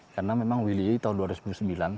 karena memang willy tahun